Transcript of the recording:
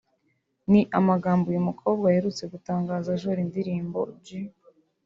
ni amagambo uyu mukobwa aherutse gutangaza ajora indirimbo ‘G